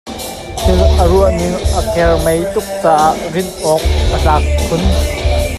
Thil a ruah ning a kermei tuk caah rinh awk a tlak khun.